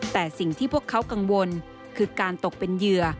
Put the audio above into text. แต่สิ่งที่พวกเขากังวลคือการตกเป็นเหยื่อ